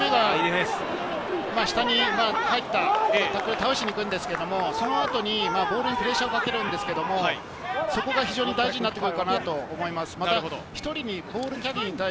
やはり１人目が下に入って倒しに行くんですけれど、その後にボールにプレッシャーをかけるんですけれど、そこは非常に大事になってくるかなと思います。